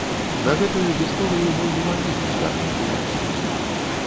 На гэтую гісторыю мы не маглі не звярнуць увагі.